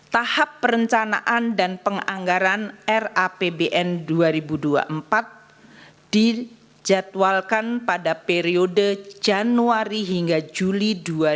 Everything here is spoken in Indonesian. tahap perencanaan dan penganggaran rapbn dua ribu dua puluh empat dijadwalkan pada periode januari hingga juli dua ribu dua puluh